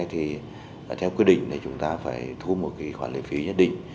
thì theo quyết định này chúng ta phải thu một cái khoản lấy phí nhất định